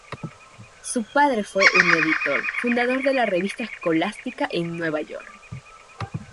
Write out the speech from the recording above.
Su padre fue un editor, fundador de la Revista Escolástica en Nueva York.